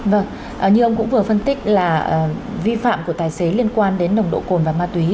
vâng như ông cũng vừa phân tích là vi phạm của tài xế liên quan đến nồng độ cồn và ma túy